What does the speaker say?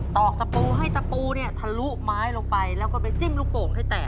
อกตะปูให้ตะปูเนี่ยทะลุไม้ลงไปแล้วก็ไปจิ้มลูกโป่งให้แตก